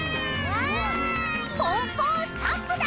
ポンポンスタンプだ！